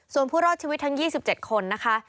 ส่วนผู้รอดชีวิตทั้ง๒๗คนนะคะ